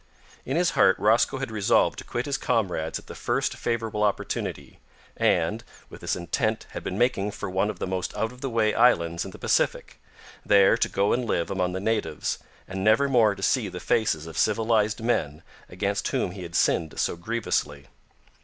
In his heart Rosco had resolved to quit his comrades at the first favourable opportunity, and, with this intent had been making for one of the most out of the way islands in the Pacific there to go and live among the natives, and never more to see the faces of civilised men against whom he had sinned so grievously.